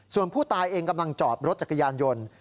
ส่วนผู้ตายเองกำลังจอดรถจักรยานยนต์